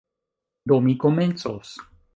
Do, mi komencos.